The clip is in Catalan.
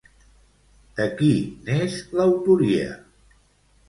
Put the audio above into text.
De qui n'és l'autoria?